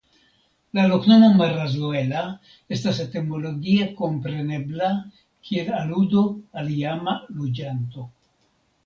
La loknomo "Marazuela" estas etimologie komprenebla kiel aludo al iama loĝanto.